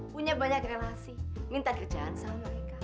punya banyak relasi minta kerjaan sama mereka